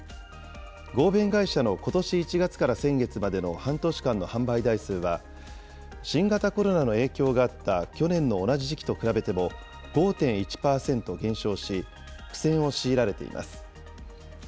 合弁会社のことし１月から先月までの半年間の販売台数は、新型コロナの影響があった去年の同じ時期と比べても５．１％減少し、苦戦を強いられています。